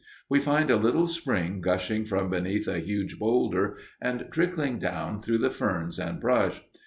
We find a little spring gushing from beneath a huge boulder and trickling down through the ferns and brush.